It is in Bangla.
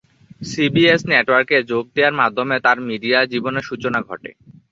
সিবিএস নেটওয়ার্কে যোগ দেয়ার মাধ্যমে তার মিডিয়া জীবনের সূচনা ঘটে।